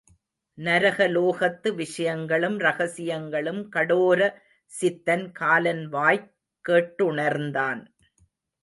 நரகலோகத்து விஷயங்களும் ரகசியங்களும் கடோர சித்தன் காலன்வாய்க் கேட்டுணர்ந்தான்.